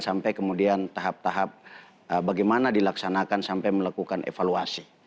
sampai kemudian tahap tahap bagaimana dilaksanakan sampai melakukan evaluasi